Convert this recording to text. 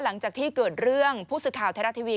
หลังจากที่เกิดเรื่องผู้สื่อข่าวไทยรัฐทีวี